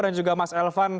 dan juga mas elvan